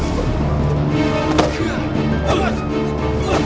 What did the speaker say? ye pergi sekarang